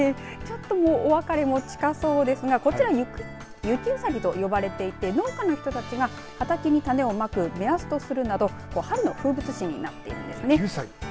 お別れも近いんですが雪うさぎと呼ばれていて農家の人たちが畑に種をまく目安とするなど春の風物詩となっているんです。